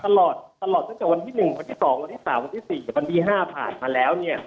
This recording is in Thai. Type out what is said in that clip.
ตลอดตลอดตั้งแต่วันที่๑วันที่๒วันที่๓วันที่๔วันที่๕ผ่านมาแล้วเนี่ย